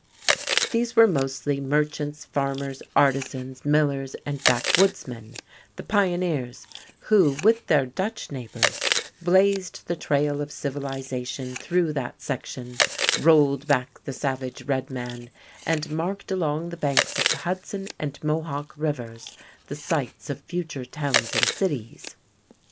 These were mostly merchants, farmers, artisans, millers, and backwoodsmen, the pioneers, who, with their Dutch neighbors, blazed the trail of civilization through that section, rolled back the savage redman, and marked along the banks of the Hudson and Mohawk rivers the sites of future towns and cities.